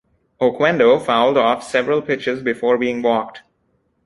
Oquendo fouled off several pitches before being walked.